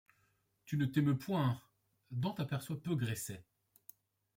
Tu ne t'émeus point : Dante aperçoit peu Gresset.